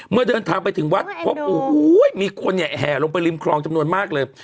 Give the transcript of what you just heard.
อ๋อเมื่อเดินทางไปถึงวัดพบโอ้โหมีคนใหญ่แห่ลงไปริมครองจำนวนมากเลย